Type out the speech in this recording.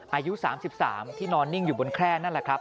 อายุ๓๓ที่นอนนิ่งอยู่บนแคร่นั่นแหละครับ